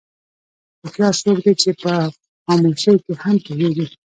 هوښیار څوک دی چې په خاموشۍ کې هم پوهېږي.